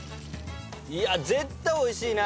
いや絶対美味しいな！